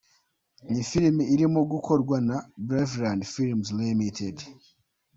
Ni filimi irimo gukorwa na Braveland films Ltd.